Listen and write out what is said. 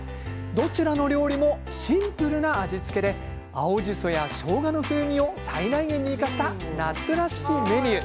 どちらの料理もシンプルな味付けで青じそやしょうがの風味を最大限に生かした夏らしいメニュー。